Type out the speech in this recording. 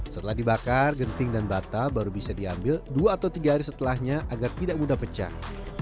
setelah dibakar genting dan bata baru bisa diambil dua atau tiga hari setelahnya agar tidak mudah pecah